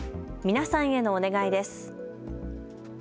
皆さんへのお願いです。